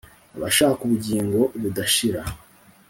abashak'ubugingo budashira